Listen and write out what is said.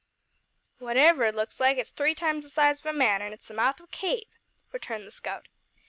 "Whatever it looks like it's three times the size of a man, an' it's the mouth of a cave," returned the scout.